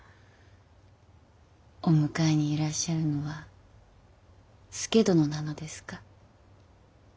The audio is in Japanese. お迎えにいらっしゃるのは佐殿なのですか。